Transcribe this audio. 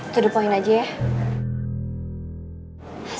tudup poin aja ya